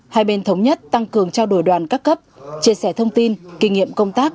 hai bên thống nhất tăng cường trao đổi đoàn các cấp chia sẻ thông tin kinh nghiệm công tác